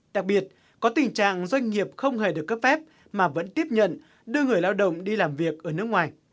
đặc biệt có tình trạng doanh nghiệp không hề được cấp phép mà vẫn tiếp nhận đưa người lao động đi làm việc ở nước ngoài